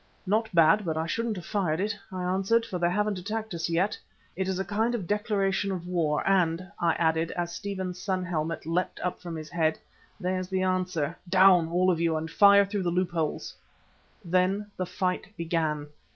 "Not bad, but I shouldn't have fired it," I answered, "for they haven't attacked us yet. It is a kind of declaration of war, and," I added, as Stephen's sun helmet leapt from his head, "there's the answer. Down, all of you, and fire through the loopholes." Then the fight began.